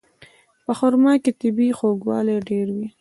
په خرما کې طبیعي خوږوالی ډېر وي.